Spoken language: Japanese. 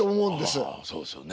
そうですよね。